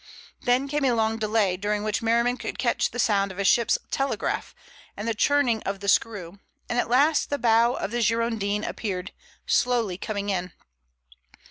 Then came a long delay during which Merriman could catch the sound of a ship's telegraph and the churning of the screw, and at last the bow of the Girondin appeared, slowly coming in.